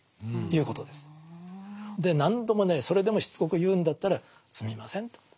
で何度もねそれでもしつこく言うんだったらすみませんと。